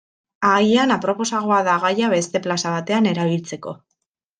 Agian aproposagoa da gaia beste plaza batean erabiltzeko.